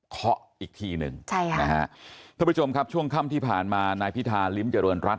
เคาะอีกทีนึงถ้าผู้โชคมครับช่วงค้ำที่ผ่านมานายพิธาลิ้มเจริญรัตน์